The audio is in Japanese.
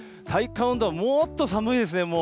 体感温度はもっと寒いですね。